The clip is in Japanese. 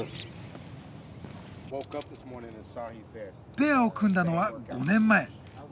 ペアを組んだのは５年前。